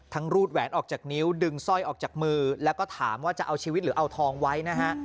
รูดแหวนออกจากนิ้วดึงสร้อยออกจากมือแล้วก็ถามว่าจะเอาชีวิตหรือเอาทองไว้นะฮะ